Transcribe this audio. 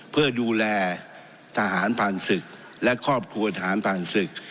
เพื่อดูแลทหารผ่านศึกและครอบครัวทหารผ่านศึก